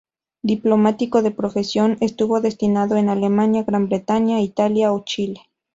Diplomático de profesión, estuvo destinado en Alemania, Gran Bretaña, Italia o Chile.